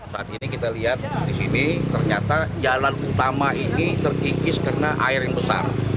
saat ini kita lihat di sini ternyata jalan utama ini terkikis karena air yang besar